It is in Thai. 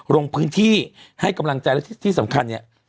ลงพื้นที่ให้กำลังใจและที่สำคัญเนี่ย